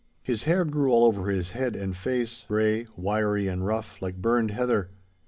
His hair grew all over his head and face, grey, wiry and rough, like burned heather.